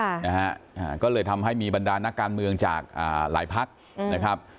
นะฮะก็เลยทำให้มีบรรดานการเมืองจากอ่าหลายภักดิ์อืมนะครับ